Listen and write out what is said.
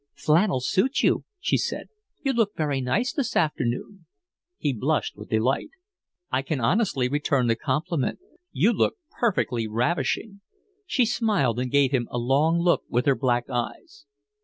"Flannels suit you," she said. "You look very nice this afternoon." He blushed with delight. "I can honestly return the compliment. You look perfectly ravishing." She smiled and gave him a long look with her black eyes.